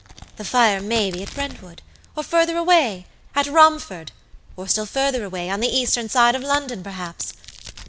The fire may be at Brentwood, or further awayat Romford, or still further away, on the eastern side of London, perhaps.